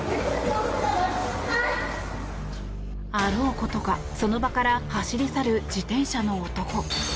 あろうことかその場から走り去る自転車の男。